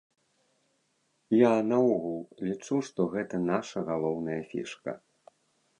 Я наогул лічу, што гэта наша галоўная фішка.